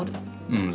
うん。